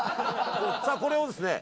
さあこれをですね